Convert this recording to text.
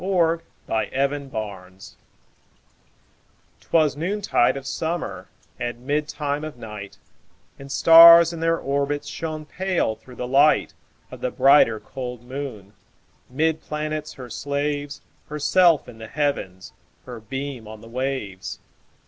1827 Evening Star 'Twas noontide of summer, And midtime of night, And stars, in their orbits, Shone pale, through the light Of the brighter, cold moon. 'Mid planets her slaves, Herself in the Heavens, Her beam on the waves.